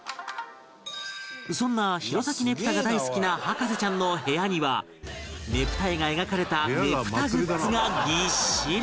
そんな弘前ねぷたが大好きな博士ちゃんの部屋にはねぷた絵が描かれたねぷたグッズがぎっしり